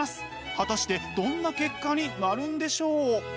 果たしてどんな結果になるんでしょう？